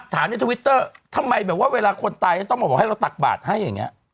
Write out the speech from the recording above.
ในทวิตเตอร์ทำไมแบบว่าเวลาคนตายจะต้องมาบอกให้เราตักบาทให้อย่างนี้